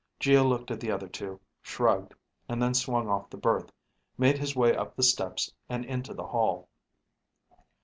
Geo looked at the other two, shrugged, and then swung off the berth, made his way up the steps and into the hall.